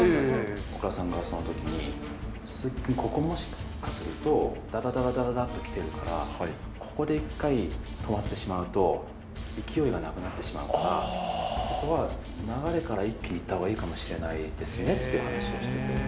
岡田さんがそのときに、鈴木君、ここもしかすると、だだだだだだっと来てるから、ここで一回止まってしまうと、勢いがなくなってしまうから、ここは流れから一気にいったほうがいいかもしれないですねっていうお話ししてくれて。